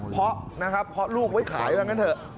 เพราะนะครับเพราะลูกไว้ขายว่างั้นเถอะ